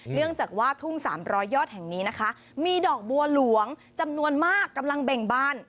เนื่องจากว่าทุ่ง๓๐๐ยอดแห่งนี้นะคะมีดอกบัวหลวงจำนวนมากกำลังเบ่งบาน